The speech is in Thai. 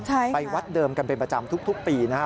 ใช่ไปวัดเดิมกันเป็นประจำทุกปีนะฮะ